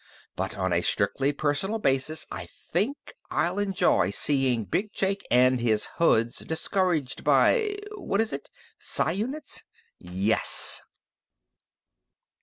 But on a strictly personal basis I think I'll enjoy seein' Big Jake an' his hoods discouraged by ... what is it Psi units? Yes!"